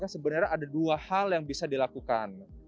sebenarnya ada dua hal yang bisa dilakukan